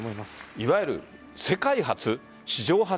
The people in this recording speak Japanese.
いわゆる世界初、史上初。